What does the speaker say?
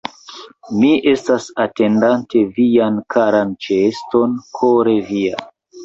Mi estas, atendante vian karan ĉeeston, kore via.